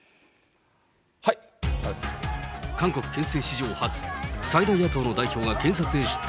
韓国憲政史上初、最大野党の代表が検察へ出頭。